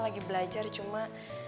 lagi belajar cuma